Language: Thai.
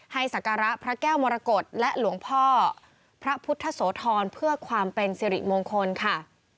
ศักระพระแก้วมรกฏและหลวงพ่อพระพุทธโสธรเพื่อความเป็นสิริมงคลค่ะ